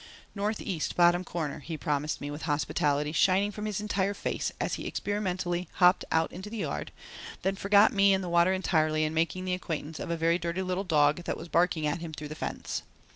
"Northeast, bottom corner," he promised me with hospitality shining from his entire face as he experimentally hopped out into the yard, then forgot me and the water entirely in making the acquaintance of a very dirty little dog that was barking at him through the fence.